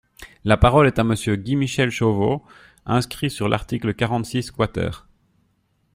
La parole est à Monsieur Guy-Michel Chauveau, inscrit sur l’article quarante-six quater.